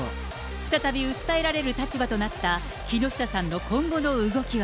再び訴えられる立場となった木下さんの今後の動きは。